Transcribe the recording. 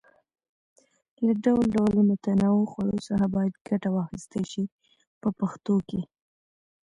له ډول ډول متنوعو خوړو څخه باید ګټه واخیستل شي په پښتو کې.